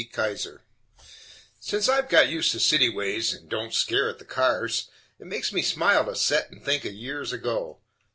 KISER Since I've got used to city ways and don't scare at the cars, It makes me smile to set and think of years ago.